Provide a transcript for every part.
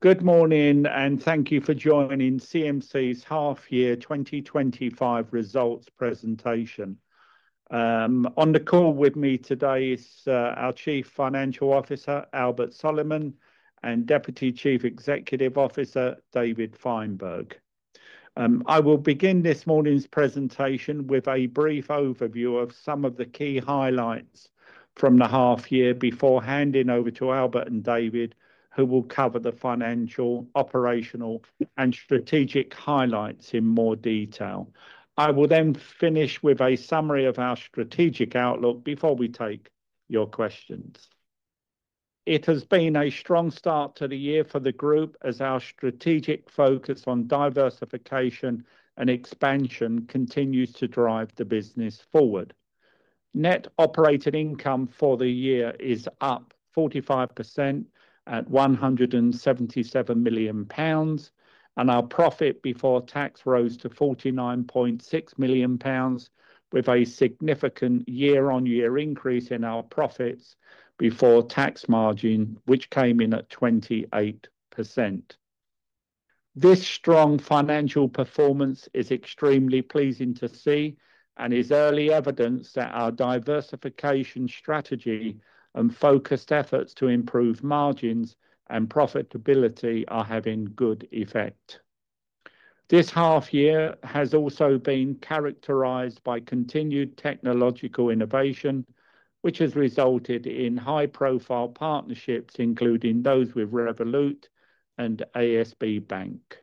Good morning, and thank you for joining CMC's Half-Year 2025 Results Presentation. On the call with me today is our Chief Financial Officer, Albert Soleiman, and Deputy Chief Executive Officer, David Fineberg. I will begin this morning's presentation with a brief overview of some of the key highlights from the half-year before handing over to Albert and David, who will cover the financial, operational, and strategic highlights in more detail. I will then finish with a summary of our strategic outlook before we take your questions. It has been a strong start to the year for the Group, as our strategic focus on diversification and expansion continues to drive the business forward. Net operating income for the year is up 45% at 177 million pounds, and our profit before tax rose to 49.6 million pounds, with a significant year-on-year increase in our profits before tax margin, which came in at 28%. This strong financial performance is extremely pleasing to see and is early evidence that our diversification strategy and focused efforts to improve margins and profitability are having good effect. This half-year has also been characterized by continued technological innovation, which has resulted in high-profile partnerships, including those with Revolut and ASB Bank.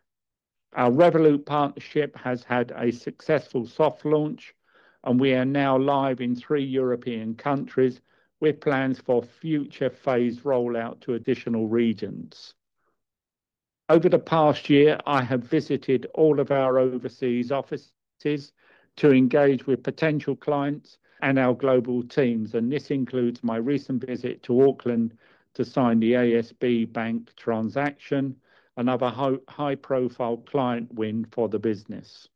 Our Revolut partnership has had a successful soft launch, and we are now live in three European countries with plans for future phase rollout to additional regions. Over the past year, I have visited all of our overseas offices to engage with potential clients and our global teams, and this includes my recent visit to Auckland to sign the ASB Bank transaction, another high-profile client win for the business.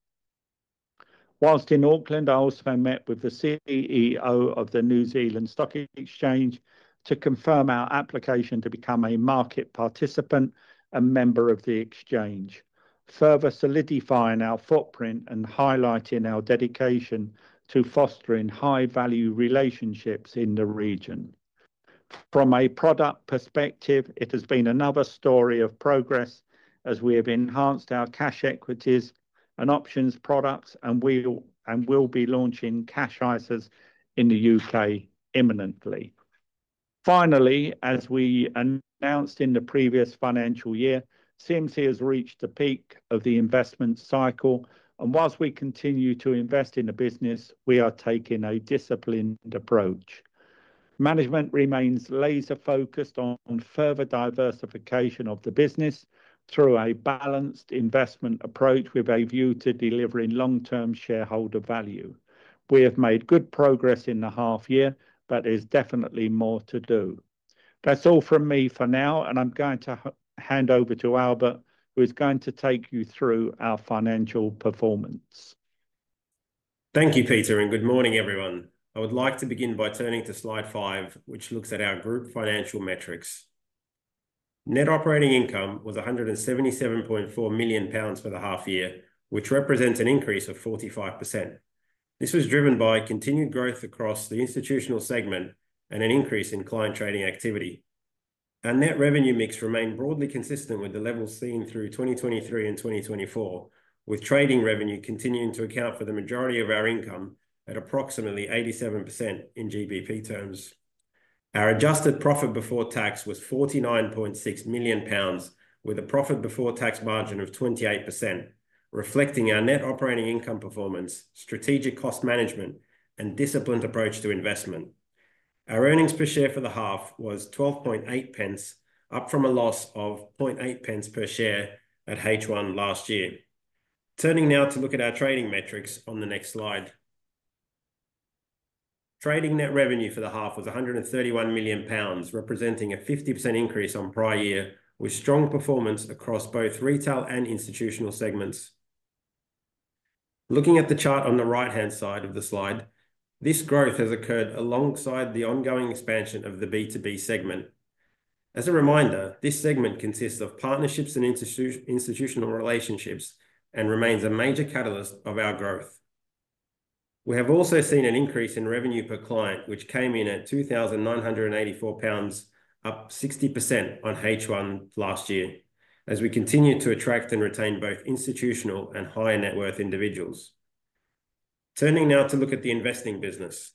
While in Auckland, I also met with the CEO of the New Zealand Stock Exchange to confirm our application to become a market participant and member of the exchange, further solidifying our footprint and highlighting our dedication to fostering high-value relationships in the region. From a product perspective, it has been another story of progress as we have enhanced our cash equities and options products, and we will be launching Cash ISAs in the U.K. imminently. Finally, as we announced in the previous financial year, CMC has reached the peak of the investment cycle, and while we continue to invest in the business, we are taking a disciplined approach. Management remains laser-focused on further diversification of the business through a balanced investment approach with a view to delivering long-term shareholder value. We have made good progress in the half-year, but there's definitely more to do. That's all from me for now, and I'm going to hand over to Albert, who is going to take you through our financial performance. Thank you, Peter, and good morning, everyone. I would like to begin by turning to slide five, which looks at our Group financial metrics. Net operating income was £177.4 million for the half-year, which represents an increase of 45%. This was driven by continued growth across the institutional segment and an increase in client trading activity. Our net revenue mix remained broadly consistent with the levels seen through 2023 and 2024, with trading revenue continuing to account for the majority of our income at approximately 87% in GBP terms. Our adjusted profit before tax was £49.6 million, with a profit before tax margin of 28%, reflecting our net operating income performance, strategic cost management, and disciplined approach to investment. Our earnings per share for the half was £12.8, up from a loss of £0.8 per share at H1 last year. Turning now to look at our trading metrics on the next slide. Trading net revenue for the half was 131 million pounds, representing a 50% increase on prior year, with strong performance across both retail and institutional segments. Looking at the chart on the right-hand side of the slide, this growth has occurred alongside the ongoing expansion of the B2B segment. As a reminder, this segment consists of partnerships and institutional relationships and remains a major catalyst of our growth. We have also seen an increase in revenue per client, which came in at 2,984 pounds, up 60% on H1 last year, as we continue to attract and retain both institutional and higher net worth individuals. Turning now to look at the investing business.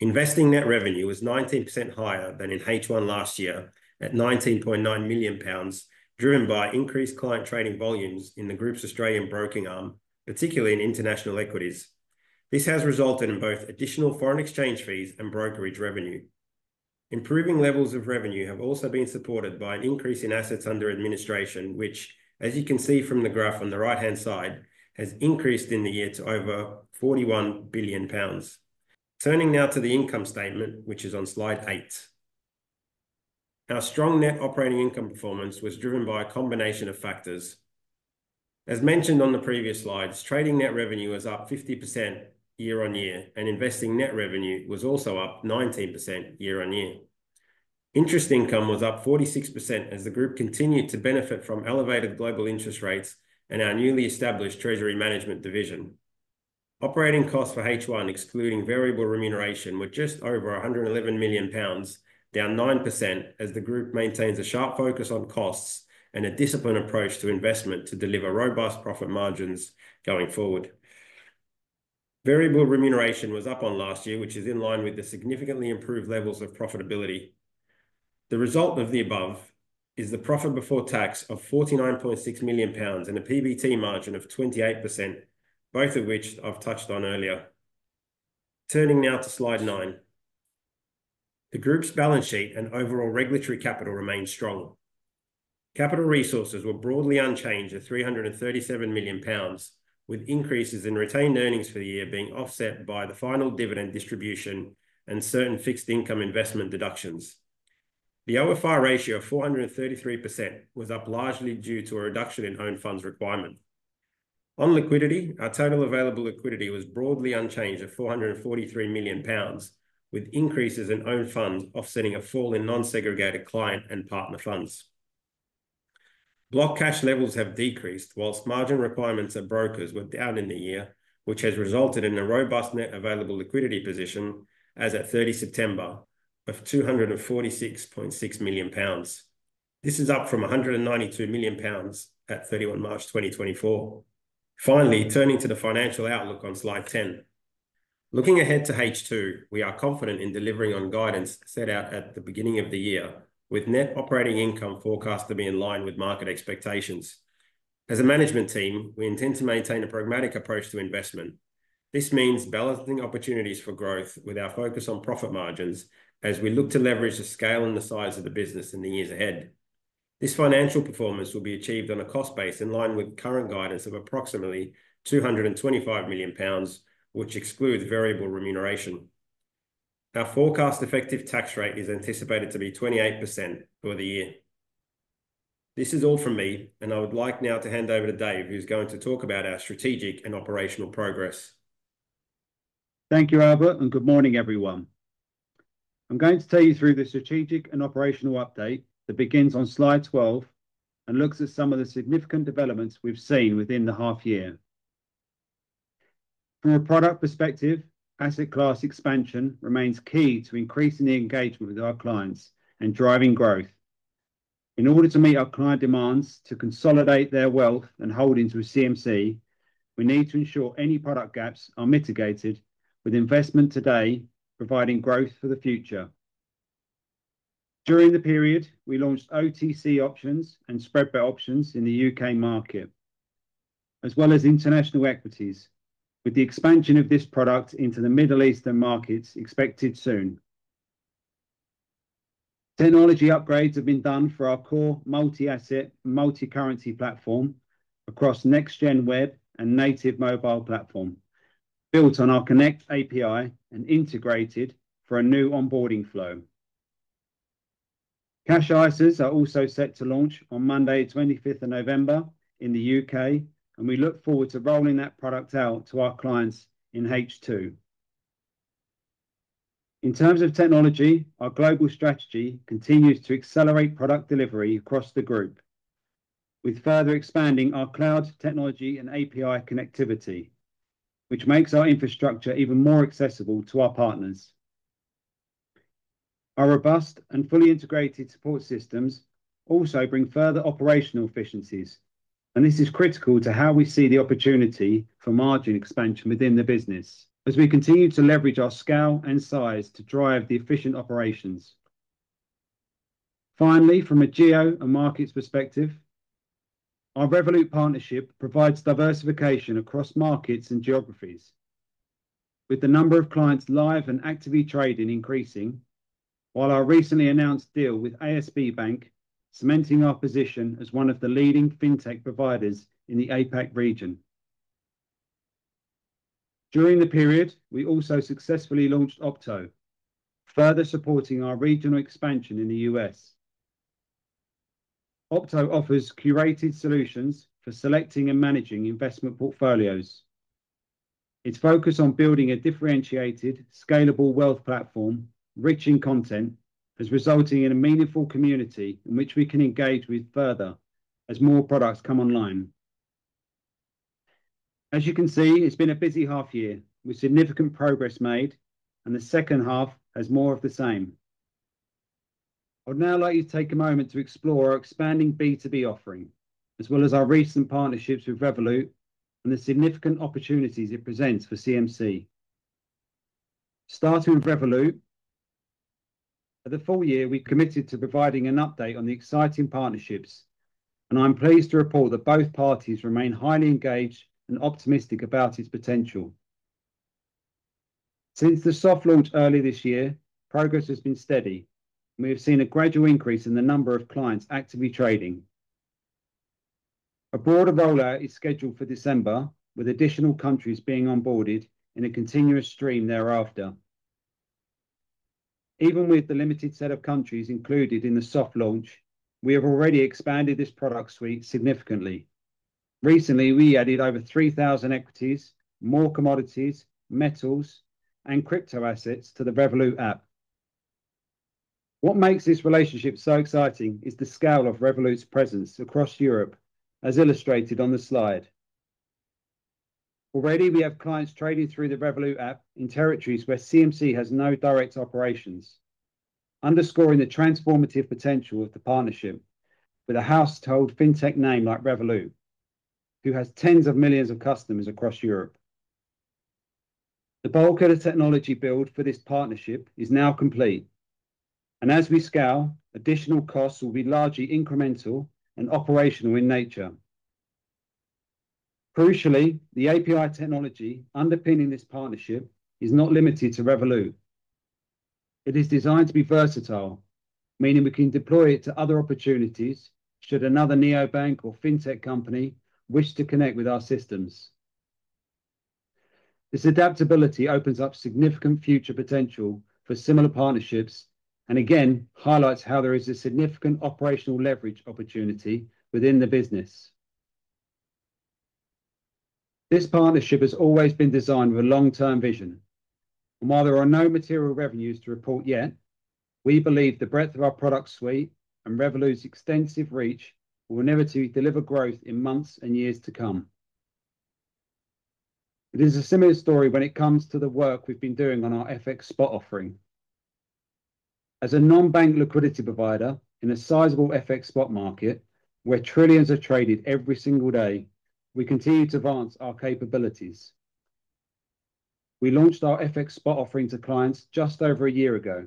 Investing net revenue was 19% higher than in H1 last year at 19.9 million pounds, driven by increased client trading volumes in the Group's Australian broking arm, particularly in international equities. This has resulted in both additional foreign exchange fees and brokerage revenue. Improving levels of revenue have also been supported by an increase in assets under administration, which, as you can see from the graph on the right-hand side, has increased in the year to over 41 billion pounds. Turning now to the income statement, which is on slide eight. Our strong net operating income performance was driven by a combination of factors. As mentioned on the previous slides, trading net revenue was up 50% year-on-year, and investing net revenue was also up 19% year-on-year. Interest income was up 46% as the Group continued to benefit from elevated global interest rates and our newly established Treasury Management division. Operating costs for H1, excluding variable remuneration, were just over £111 million, down 9%, as the Group maintains a sharp focus on costs and a disciplined approach to investment to deliver robust profit margins going forward. Variable remuneration was up on last year, which is in line with the significantly improved levels of profitability. The result of the above is the profit before tax of £49.6 million and a PBT margin of 28%, both of which I've touched on earlier. Turning now to slide nine. The Group's balance sheet and overall regulatory capital remained strong. Capital resources were broadly unchanged at £337 million, with increases in retained earnings for the year being offset by the final dividend distribution and certain fixed income investment deductions. The OFR ratio of 433% was up largely due to a reduction in own funds requirement. On liquidity, our total available liquidity was broadly unchanged at £443 million, with increases in own funds offsetting a fall in non-segregated client and partner funds. Blocked cash levels have decreased while margin requirements at brokers were down in the year, which has resulted in a robust net available liquidity position as at 30 September of £246.6 million. This is up from £192 million at 31 March 2024. Finally, turning to the financial outlook on slide 10. Looking ahead to H2, we are confident in delivering on guidance set out at the beginning of the year, with net operating income forecast to be in line with market expectations. As a management team, we intend to maintain a pragmatic approach to investment. This means balancing opportunities for growth with our focus on profit margins as we look to leverage the scale and the size of the business in the years ahead. This financial performance will be achieved on a cost base in line with current guidance of approximately £225 million, which excludes variable remuneration. Our forecast effective tax rate is anticipated to be 28% for the year. This is all from me, and I would like now to hand over to Dave, who's going to talk about our strategic and operational progress. Thank you, Albert, and good morning, everyone. I'm going to take you through the strategic and operational update that begins on slide 12 and looks at some of the significant developments we've seen within the half-year. From a product perspective, asset class expansion remains key to increasing the engagement with our clients and driving growth. In order to meet our client demands to consolidate their wealth and hold into CMC, we need to ensure any product gaps are mitigated with investment today, providing growth for the future. During the period, we launched OTC options and spread bet options in the U.K. market, as well as international equities, with the expansion of this product into the Middle Eastern markets expected soon. Technology upgrades have been done for our core multi-asset and multi-currency platform across Next Gen Web and native mobile platform, built on our Connect API and integrated for a new onboarding flow. Cash ISAs are also set to launch on Monday, 25 November, in the UK, and we look forward to rolling that product out to our clients in H2. In terms of technology, our global strategy continues to accelerate product delivery across the Group, with further expanding our cloud technology and API connectivity, which makes our infrastructure even more accessible to our partners. Our robust and fully integrated support systems also bring further operational efficiencies, and this is critical to how we see the opportunity for margin expansion within the business as we continue to leverage our scale and size to drive the efficient operations. Finally, from a geo and markets perspective, our Revolut partnership provides diversification across markets and geographies, with the number of clients live and actively trading increasing, while our recently announced deal with ASB Bank cementing our position as one of the leading Fintech providers in the APAC region. During the period, we also successfully launched Opto, further supporting our regional expansion in the U.S. Opto offers curated solutions for selecting and managing investment portfolios. Its focus on building a differentiated, scalable wealth platform, rich in content, has resulted in a meaningful community in which we can engage with further as more products come online. As you can see, it's been a busy half-year with significant progress made, and the second half has more of the same. I'd now like you to take a moment to explore our expanding B2B offering, as well as our recent partnerships with Revolut and the significant opportunities it presents for CMC. Starting with Revolut, for the full year, we committed to providing an update on the exciting partnerships, and I'm pleased to report that both parties remain highly engaged and optimistic about its potential. Since the soft launch earlier this year, progress has been steady, and we have seen a gradual increase in the number of clients actively trading. A broader rollout is scheduled for December, with additional countries being onboarded in a continuous stream thereafter. Even with the limited set of countries included in the soft launch, we have already expanded this product suite significantly. Recently, we added over 3,000 equities, more commodities, metals, and crypto assets to the Revolut app. What makes this relationship so exciting is the scale of Revolut's presence across Europe, as illustrated on the slide. Already, we have clients trading through the Revolut app in territories where CMC has no direct operations, underscoring the transformative potential of the partnership with a household Fintech name like Revolut, who has tens of millions of customers across Europe. The bulk of the technology build for this partnership is now complete, and as we scale, additional costs will be largely incremental and operational in nature. Crucially, the API technology underpinning this partnership is not limited to Revolut. It is designed to be versatile, meaning we can deploy it to other opportunities should another neobank or fintech company wish to connect with our systems. This adaptability opens up significant future potential for similar partnerships and again highlights how there is a significant operational leverage opportunity within the business. This partnership has always been designed with a long-term vision, and while there are no material revenues to report yet, we believe the breadth of our product suite and Revolut's extensive reach will inevitably deliver growth in months and years to come. It is a similar story when it comes to the work we've been doing on our FX spot offering. As a non-bank liquidity provider in a sizable FX spot market where trillions are traded every single day, we continue to advance our capabilities. We launched our FX spot offering to clients just over a year ago,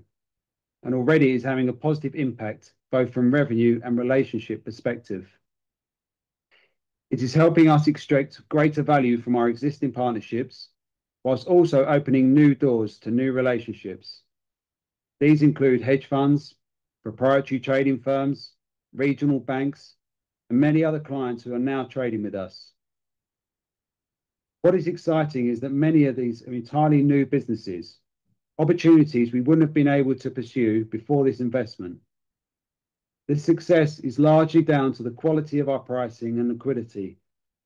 and already it is having a positive impact both from revenue and relationship perspective. It is helping us extract greater value from our existing partnerships whilst also opening new doors to new relationships. These include hedge funds, proprietary trading firms, regional banks, and many other clients who are now trading with us. What is exciting is that many of these are entirely new businesses, opportunities we wouldn't have been able to pursue before this investment. This success is largely down to the quality of our pricing and liquidity,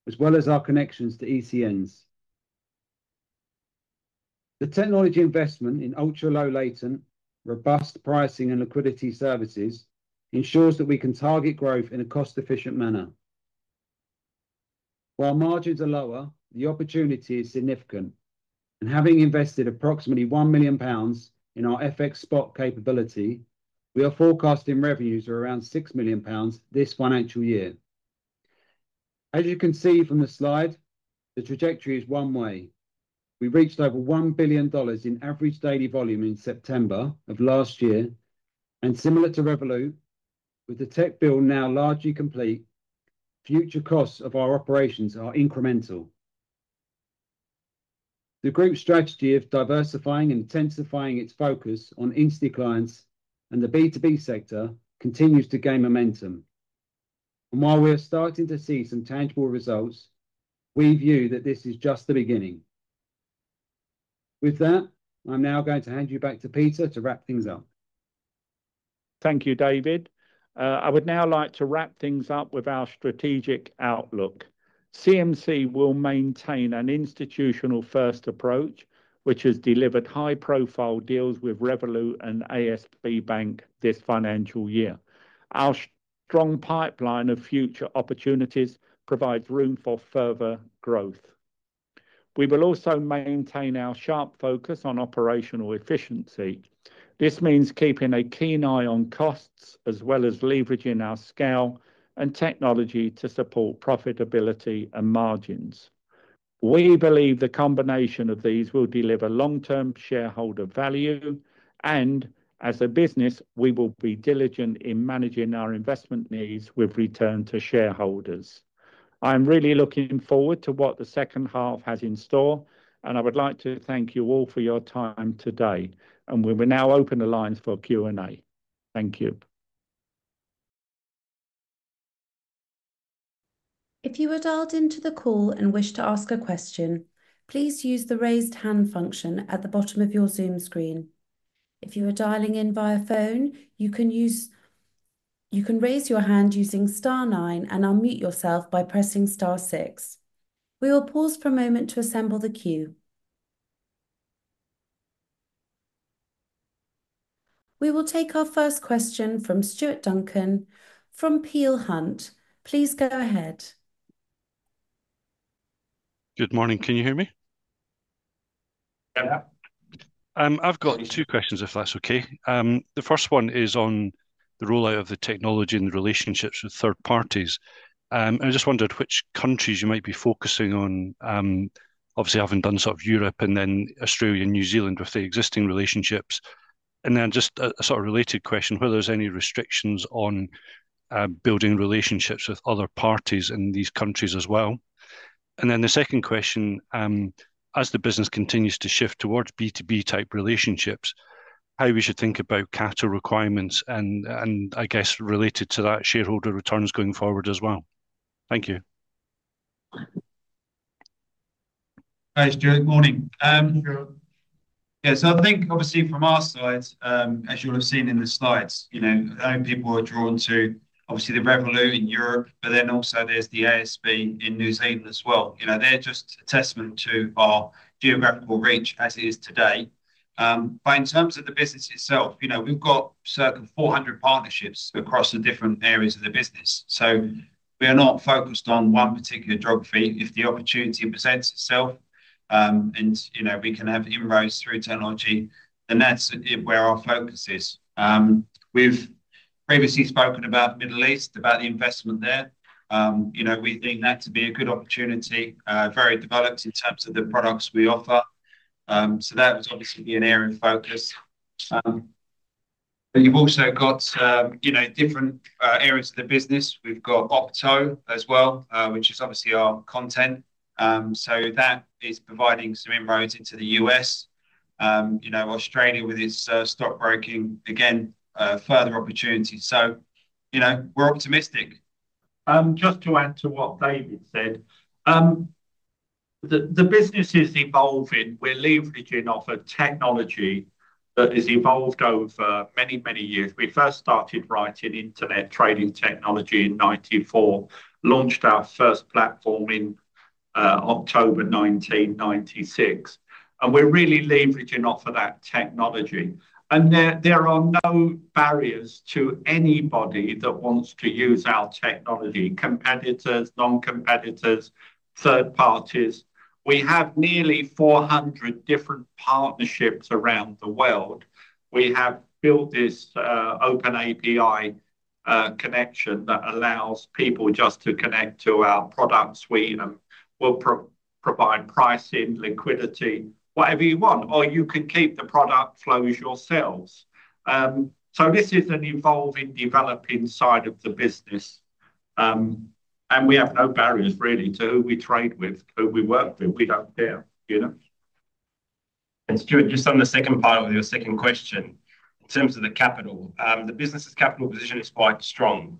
as well as our connections to ECNs. The technology investment in ultra-low-latency, robust pricing and liquidity services ensures that we can target growth in a cost-efficient manner. While margins are lower, the opportunity is significant, and having invested approximately 1 million pounds in our FX spot capability, we are forecasting revenues of around 6 million pounds this financial year. As you can see from the slide, the trajectory is one-way. We reached over $1 billion in average daily volume in September of last year, and similar to Revolut, with the tech build now largely complete, future costs of our operations are incremental. The Group's strategy of diversifying and intensifying its focus on instant clients and the B2B sector continues to gain momentum. And while we are starting to see some tangible results, we view that this is just the beginning. With that, I'm now going to hand you back to Peter to wrap things up. Thank you, David. I would now like to wrap things up with our strategic outlook. CMC will maintain an institutional-first approach, which has delivered high-profile deals with Revolut and ASB Bank this financial year. Our strong pipeline of future opportunities provides room for further growth. We will also maintain our sharp focus on operational efficiency. This means keeping a keen eye on costs as well as leveraging our scale and technology to support profitability and margins. We believe the combination of these will deliver long-term shareholder value, and as a business, we will be diligent in managing our investment needs with return to shareholders. I am really looking forward to what the second half has in store, and I would like to thank you all for your time today, and we will now open the lines for Q&A. Thank you. If you are dialed into the call and wish to ask a question, please use the raised hand function at the bottom of your Zoom screen. If you are dialing in via phone, you can raise your hand using star nine, and unmute yourself by pressing star six. We will pause for a moment to assemble the queue. We will take our first question from Stuart Duncan from Peel Hunt. Please go ahead. Good morning. Can you hear me? Yeah. I've got two questions, if that's okay. The first one is on the rollout of the technology and the relationships with third parties. I just wondered which countries you might be focusing on, obviously having done sort of Europe and then Australia and New Zealand with the existing relationships. And then just a sort of related question, whether there's any restrictions on building relationships with other parties in these countries as well. And then the second question, as the business continues to shift towards B2B type relationships, how we should think about CATA requirements and, I guess, related to that, shareholder returns going forward as well. Thank you. Hi, Stuart. Morning. Yeah, so I think, obviously, from our side, as you'll have seen in the slides, I know people are drawn to, obviously, the Revolut in Europe, but then also there's the ASB in New Zealand as well. They're just a testament to our geographical reach as it is today. But in terms of the business itself, we've got circa 400 partnerships across the different areas of the business. So we are not focused on one particular geography. If the opportunity presents itself and we can have inroads through technology, then that's where our focus is. We've previously spoken about the Middle East, about the investment there. We think that to be a good opportunity, very developed in terms of the products we offer. So that would obviously be an area of focus. But you've also got different areas of the business. We've got Opto as well, which is obviously our content. So that is providing some inroads into the U.S., Australia with its stock broking, again, further opportunities. So we're optimistic. Just to add to what David said, the business is evolving. We're leveraging off of technology that has evolved over many, many years. We first started writing internet trading technology in 1994, launched our first platform in October 1996, and we're really leveraging off of that technology, and there are no barriers to anybody that wants to use our technology, competitors, non-competitors, third parties. We have nearly 400 different partnerships around the world. We have built this open API connection that allows people just to connect to our product suite and will provide pricing, liquidity, whatever you want, or you can keep the product flows yourselves, so this is an evolving, developing side of the business, and we have no barriers really to who we trade with, who we work with. We don't care. Stuart, just on the second part of your second question, in terms of the capital, the business's capital position is quite strong.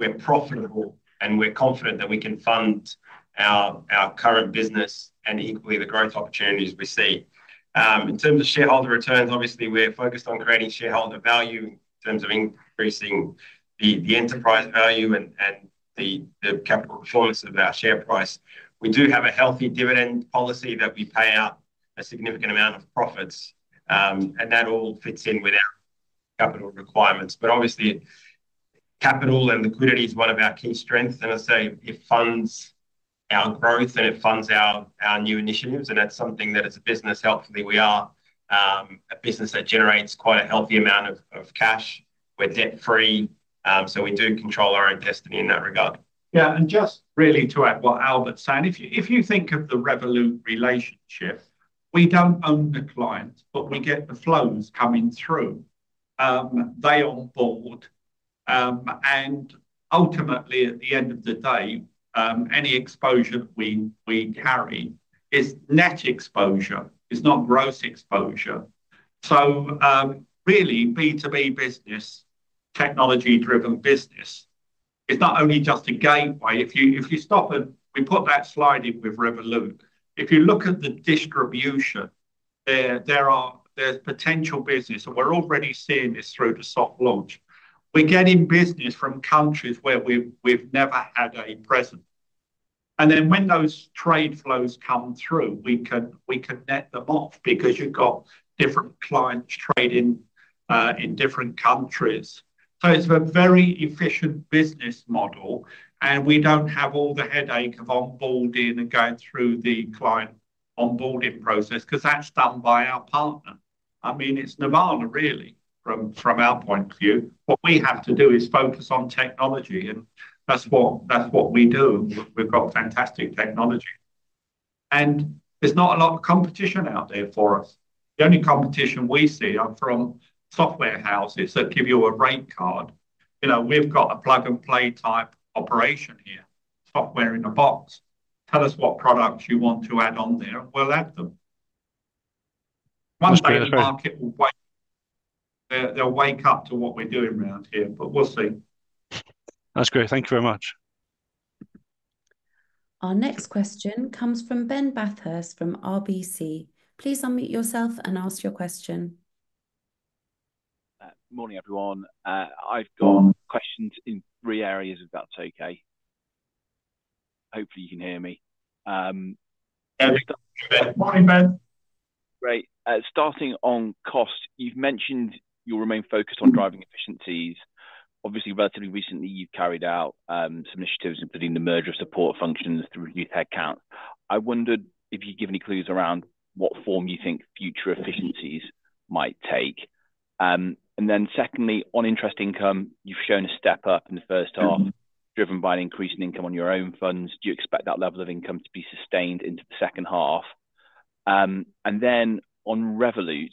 We're profitable, and we're confident that we can fund our current business and equally the growth opportunities we see. In terms of shareholder returns, obviously, we're focused on creating shareholder value in terms of increasing the enterprise value and the capital performance of our share price. We do have a healthy dividend policy that we pay out a significant amount of profits, and that all fits in with our capital requirements. Obviously, capital and liquidity is one of our key strengths. I say it funds our growth, and it funds our new initiatives, and that's something that, as a business, hopefully, we are a business that generates quite a healthy amount of cash. We're debt-free, so we do control our own destiny in that regard. Yeah. And just really to add what Albert's saying, if you think of the Revolut relationship, we don't own the clients, but we get the flows coming through. They are on board, and ultimately, at the end of the day, any exposure that we carry is net exposure. It's not gross exposure. So really, B2B business, technology-driven business, it's not only just a gateway. If you stop and we put that slide in with Revolut, if you look at the distribution, there's potential business, and we're already seeing this through the soft launch. We're getting business from countries where we've never had a presence. And then when those trade flows come through, we can net them off because you've got different clients trading in different countries. So it's a very efficient business model, and we don't have all the headache of onboarding and going through the client onboarding process because that's done by our partner. I mean, it's Nirvana, really, from our point of view. What we have to do is focus on technology, and that's what we do. We've got fantastic technology. And there's not a lot of competition out there for us. The only competition we see are from software houses that give you a rate card. We've got a plug-and-play type operation here, software in a box. Tell us what products you want to add on there, and we'll add them. One day the market will wake up. They'll wake up to what we're doing around here, but we'll see. That's great. Thank you very much. Our next question comes from Ben Bathurst from RBC. Please unmute yourself and ask your question. Morning, everyone. I've got questions in three areas if that's okay. Hopefully, you can hear me. Yeah. Morning, Ben. Great. Starting on cost, you've mentioned you'll remain focused on driving efficiencies. Obviously, relatively recently, you've carried out some initiatives, including the merger of support functions to reduce headcount. I wondered if you could give any clues around what form you think future efficiencies might take. And then secondly, on interest income, you've shown a step up in the first half, driven by an increase in income on your own funds. Do you expect that level of income to be sustained into the second half? And then on Revolut,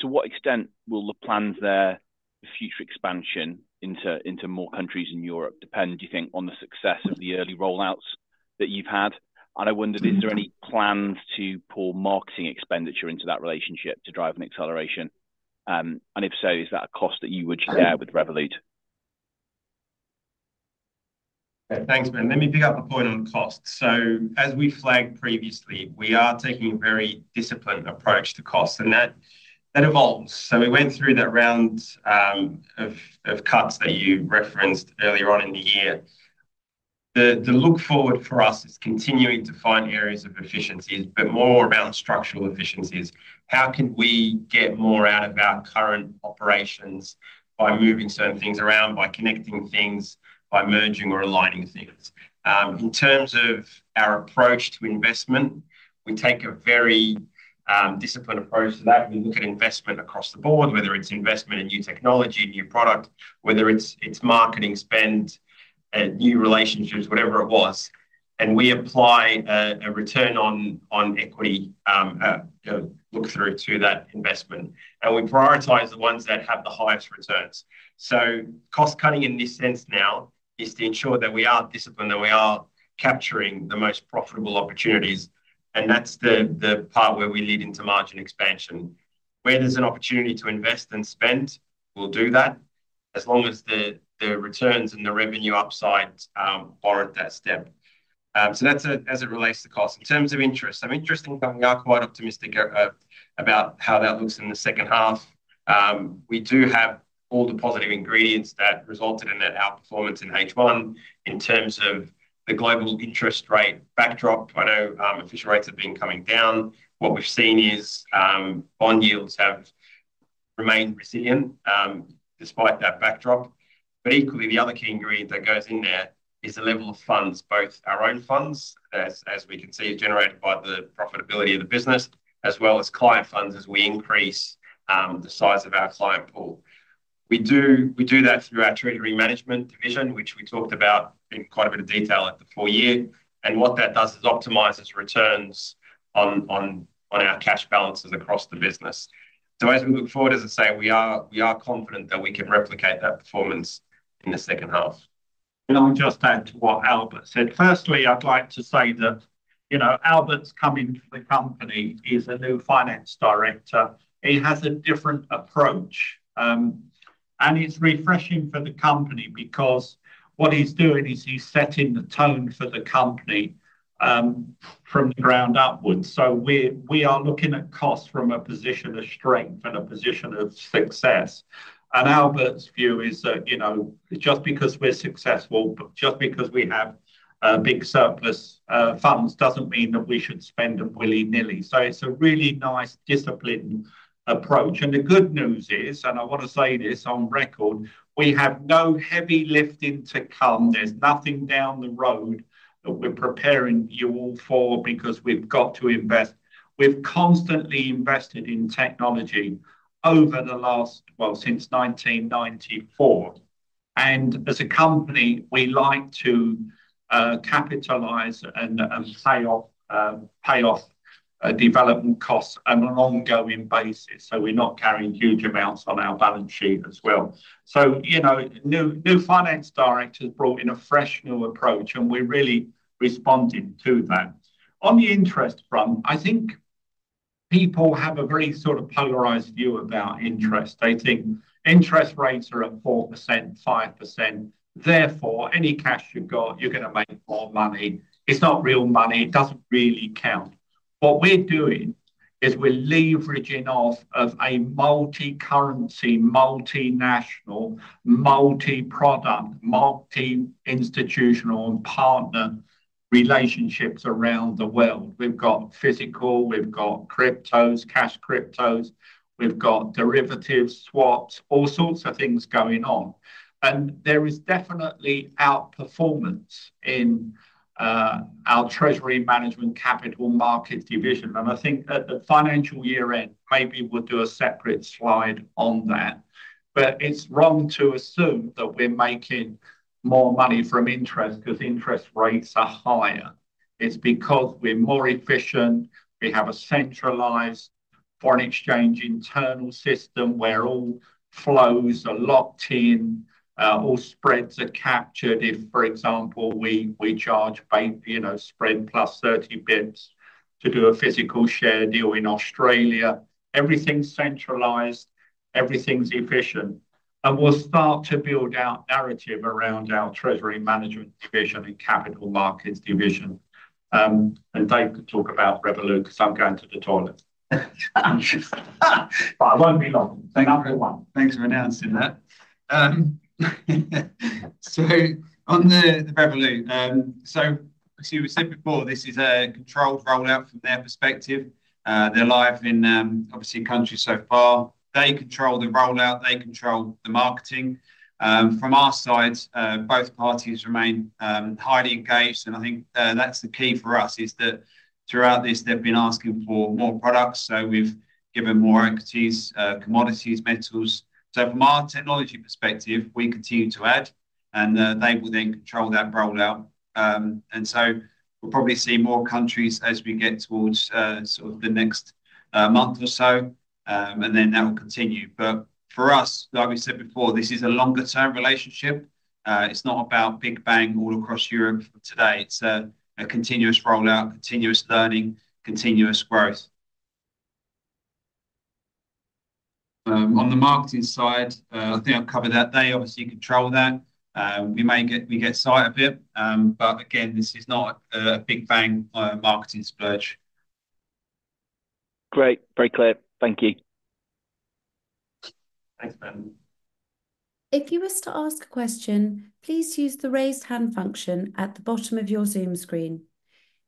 to what extent will the plans there, the future expansion into more countries in Europe, depend, do you think, on the success of the early rollouts that you've had? And I wondered, is there any plans to pull marketing expenditure into that relationship to drive an acceleration? And if so, is that a cost that you would share with Revolut? Thanks, Ben. Let me pick up a point on cost. So as we flagged previously, we are taking a very disciplined approach to cost, and that evolves. So we went through that round of cuts that you referenced earlier on in the year. The look forward for us is continuing to find areas of efficiencies, but more around structural efficiencies. How can we get more out of our current operations by moving certain things around, by connecting things, by merging or aligning things? In terms of our approach to investment, we take a very disciplined approach to that. We look at investment across the board, whether it's investment in new technology, new product, whether it's marketing spend, new relationships, whatever it was. And we apply a return on equity look-through to that investment, and we prioritize the ones that have the highest returns. So cost-cutting in this sense now is to ensure that we are disciplined and we are capturing the most profitable opportunities, and that's the part where we lead into margin expansion. Where there's an opportunity to invest and spend, we'll do that as long as the returns and the revenue upside outweigh that spend. So that's as it relates to cost. In terms of interest income, we are quite optimistic about how that looks in the second half. We do have all the positive ingredients that resulted in that outperformance in H1 in terms of the global interest rate backdrop. I know official rates have been coming down. What we've seen is bond yields have remained resilient despite that backdrop. But equally, the other key ingredient that goes in there is the level of funds, both our own funds, as we can see, generated by the profitability of the business, as well as client funds as we increase the size of our client pool. We do that through our Treasury Management division, which we talked about in quite a bit of detail at the full year. And what that does is optimizes returns on our cash balances across the business. So as we look forward, as I say, we are confident that we can replicate that performance in the second half. And I'll just add to what Albert said. Firstly, I'd like to say that Albert's coming to the company is a new finance director. He has a different approach, and he's refreshing for the company because what he's doing is he's setting the tone for the company from the ground upwards. So we are looking at cost from a position of strength and a position of success. And Albert's view is that just because we're successful, just because we have big surplus funds, doesn't mean that we should spend them willy-nilly. So it's a really nice disciplined approach. And the good news is, and I want to say this on record, we have no heavy lifting to come. There's nothing down the road that we're preparing you all for because we've got to invest. We've constantly invested in technology over the last, well, since 1994. As a company, we like to capitalize and pay off development costs on an ongoing basis. We're not carrying huge amounts on our balance sheet as well. New finance directors brought in a fresh new approach, and we're really responding to that. On the interest front, I think people have a very sort of polarized view about interest. They think interest rates are at 4%, 5%. Therefore, any cash you've got, you're going to make more money. It's not real money. It doesn't really count. What we're doing is we're leveraging off of a multicurrency, multinational, multi-product, multi-institutional and partner relationships around the world. We've got physical, we've got cryptos, cash cryptos, we've got derivatives, swaps, all sorts of things going on. There is definitely outperformance in our Treasury Management Capital Markets division. I think at the financial year-end, maybe we'll do a separate slide on that. But it's wrong to assume that we're making more money from interest because interest rates are higher. It's because we're more efficient. We have a centralized foreign exchange internal system where all flows are locked in, all spreads are captured. If, for example, we charge spread plus 30 basis points to do a physical share deal in Australia, everything's centralized, everything's efficient. And we'll start to build our narrative around our treasury management division and capital markets division. And Dave can talk about Revolut because I'm going to the toilet. I won't be long. Thanks for announcing that. So on the Revolut, so as you said before, this is a controlled rollout from their perspective. They're live in, obviously, countries so far. They control the rollout. They control the marketing. From our side, both parties remain highly engaged, and I think that's the key for us is that throughout this, they've been asking for more products. So we've given more equities, commodities, metals. So from our technology perspective, we continue to add, and they will then control that rollout. And so we'll probably see more countries as we get towards sort of the next month or so, and then that will continue. But for us, like we said before, this is a longer-term relationship. It's not about big bang all across Europe today. It's a continuous rollout, continuous learning, continuous growth. On the marketing side, I think I've covered that. They obviously control that. We get sight of it, but again, this is not a big bang marketing splurge. Great. Very clear. Thank you. Thanks, Ben. If you wish to ask a question, please use the raised hand function at the bottom of your Zoom screen.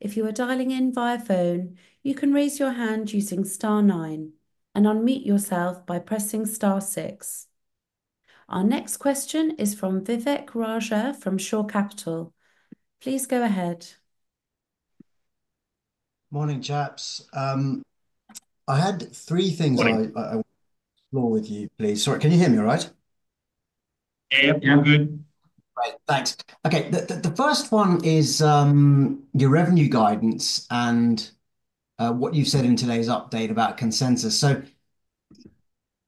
If you are dialing in via phone, you can raise your hand using star nine, and unmute yourself by pressing star six. Our next question is from Vivek Raja from Shore Capital. Please go ahead. Morning, chaps. I had three things I want to explore with you, please. Sorry, can you hear me all right? Yeah. We're good. Right. Thanks. Okay. The first one is your revenue guidance and what you've said in today's update about consensus. So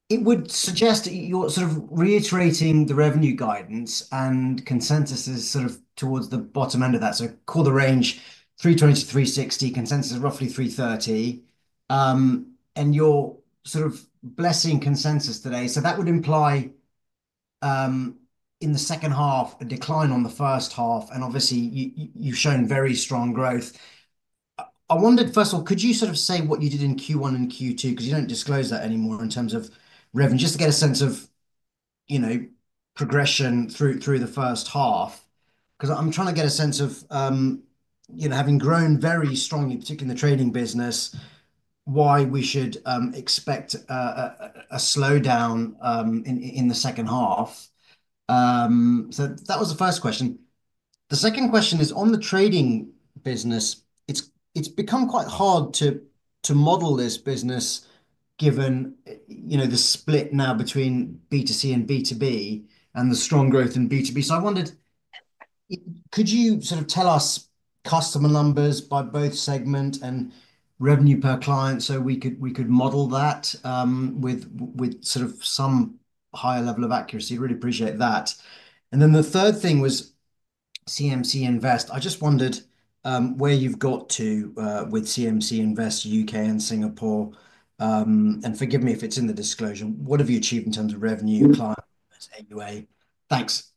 it would suggest that you're sort of reiterating the revenue guidance, and consensus is sort of towards the bottom end of that. So call the range 320 million-360 million. Consensus is roughly 330 million. And you're sort of blessing consensus today. So that would imply in the second half, a decline on the first half, and obviously, you've shown very strong growth. I wondered, first of all, could you sort of say what you did in Q1 and Q2 because you don't disclose that anymore in terms of revenue, just to get a sense of progression through the first half? Because I'm trying to get a sense of, having grown very strongly, particularly in the trading business, why we should expect a slowdown in the second half? So that was the first question. The second question is, on the trading business, it's become quite hard to model this business given the split now between B2C and B2B and the strong growth in B2B. So I wondered, could you sort of tell us customer numbers by both segment and revenue per client so we could model that with sort of some higher level of accuracy? Really appreciate that. And then the third thing was CMC Invest. I just wondered where you've got to with CMC Invest UK and Singapore. And forgive me if it's in the disclosure. What have you achieved in terms of revenue, client, AUA? Thanks.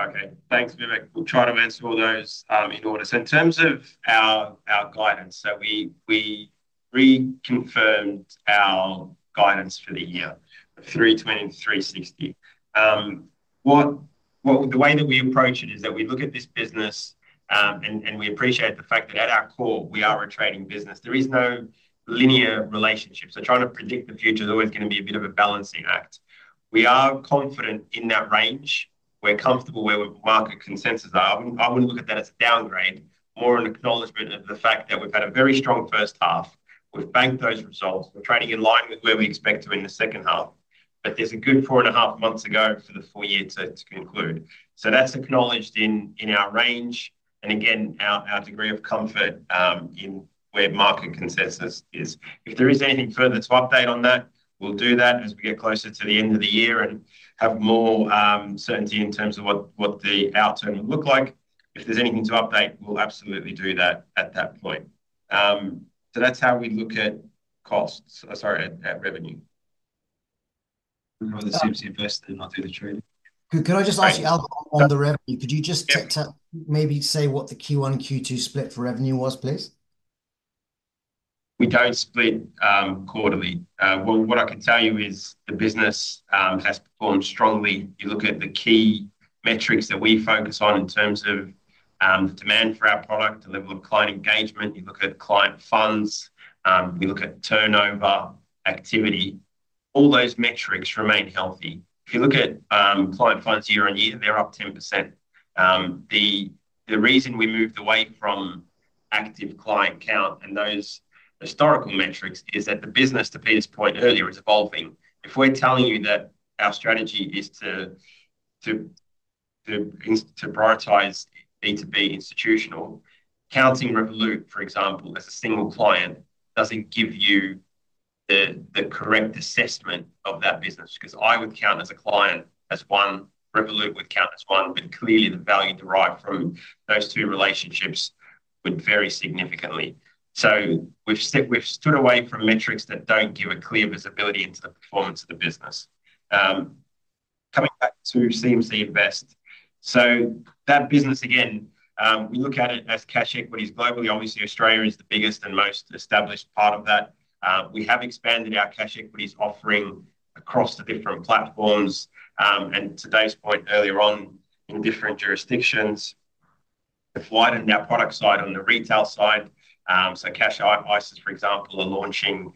Okay. Thanks, Vivek. We'll try to answer all those in order. So in terms of our guidance, so we reconfirmed our guidance for the year, 320-360. The way that we approach it is that we look at this business, and we appreciate the fact that at our core, we are a trading business. There is no linear relationship. So trying to predict the future is always going to be a bit of a balancing act. We are confident in that range. We're comfortable where market consensus are. I wouldn't look at that as a downgrade, more an acknowledgment of the fact that we've had a very strong first half. We've banked those results. We're trading in line with where we expect to in the second half. But there's a good four and a half months to go for the full year to conclude. So that's acknowledged in our range. And again, our degree of comfort in where market consensus is. If there is anything further to update on that, we'll do that as we get closer to the end of the year and have more certainty in terms of what the outturn will look like. If there's anything to update, we'll absolutely do that at that point. So that's how we look at costs. Sorry, at revenue. We'll go with the CMC Invest and not do the trading. Can I just ask you, Albert, on the revenue, could you just maybe say what the Q1 and Q2 split for revenue was, please? We don't split quarterly. What I can tell you is the business has performed strongly. You look at the key metrics that we focus on in terms of demand for our product, the level of client engagement. You look at client funds. We look at turnover activity. All those metrics remain healthy. If you look at client funds year on year, they're up 10%. The reason we moved away from active client count and those historical metrics is that the business, to Peter's point earlier, is evolving. If we're telling you that our strategy is to prioritize B2B institutional, counting Revolut, for example, as a single client doesn't give you the correct assessment of that business because I would count as a client as one, Revolut would count as one, but clearly the value derived from those two relationships would vary significantly. We've stood away from metrics that don't give a clear visibility into the performance of the business. Coming back to CMC Invest. That business, again, we look at it as cash equities globally. Obviously, Australia is the biggest and most established part of that. We have expanded our cash equities offering across the different platforms and to Dave's point earlier on in different jurisdictions. We've widened our product side on the retail side. Cash ISAs, for example, are launching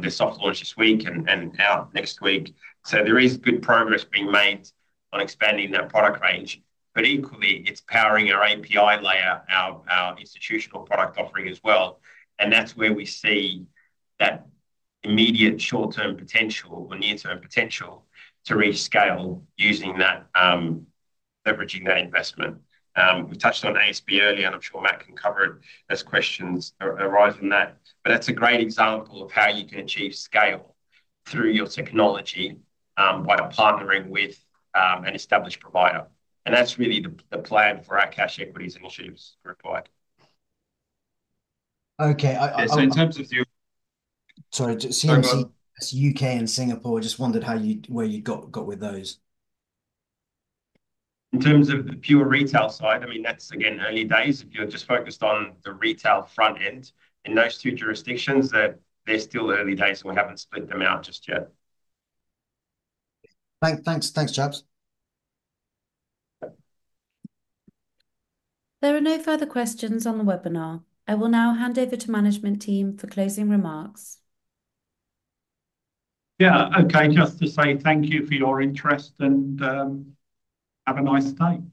their soft launch this week and out next week. There is good progress being made on expanding that product range. But equally, it's powering our API layer, our institutional product offering as well. That's where we see that immediate short-term potential or near-term potential to reach scale using that, leveraging that investment. We've touched on ASB earlier, and I'm sure Matt can cover it as questions arise on that, but that's a great example of how you can achieve scale through your technology by partnering with an established provider, and that's really the plan for our cash equities initiatives group wide. Okay. So in terms of the. Sorry. CMC UK and Singapore, just wondered how you got with those? In terms of the pure retail side, I mean, that's, again, early days. If you're just focused on the retail front end in those two jurisdictions, they're still early days, and we haven't split them out just yet. Thanks. Thanks, chaps. There are no further questions on the webinar. I will now hand over to management team for closing remarks. Yeah. Okay. Just to say thank you for your interest and have a nice day.